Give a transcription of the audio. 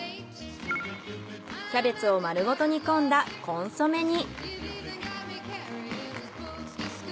キャベツを丸ごと煮込んだコンソメ煮。